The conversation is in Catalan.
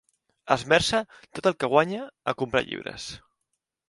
Esmerça tot el que guanya a comprar llibres.